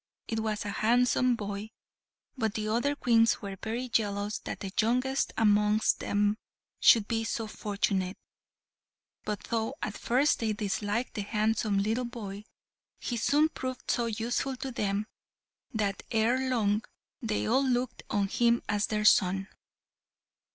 It was a handsome boy, but the other Queens were very jealous that the youngest amongst them should be so fortunate. But though at first they disliked the handsome little boy, he soon proved so useful to them, that ere long they all looked on him as their son.